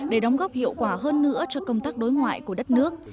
để đóng góp hiệu quả hơn nữa cho công tác đối ngoại của đất nước